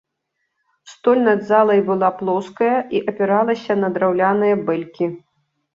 Столь над залай была плоская і апіралася на драўляныя бэлькі.